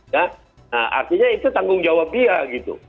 nah artinya itu tanggung jawab dia gitu